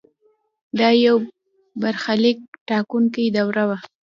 دا یو برخلیک ټاکونکې دوره وه.